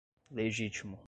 legítimo